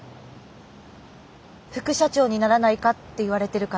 副社長にならないかって言われてるから。